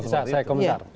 bisa saya komentar